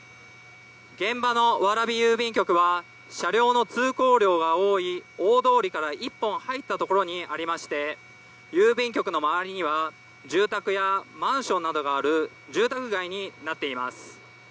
現場の蕨郵便局は車両の通行量が多い大通りから１本入ったところにありまして郵便局の周りには住宅やマンションなどがある住宅街になっています。